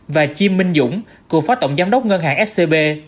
và chi minh dũng cựu phó tổng giám đốc ngân hàng scb